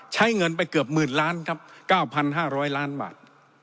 ใช้เงินไปเกือบหมื่นล้านครับ๙๕๐๐ล้านบาท